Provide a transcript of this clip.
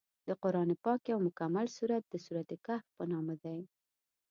د قران پاک یو مکمل سورت د سورت الکهف په نامه دی.